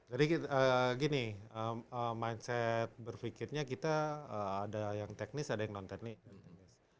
jadi gini mindset berpikirnya kita ada yang teknis ada yang non teknis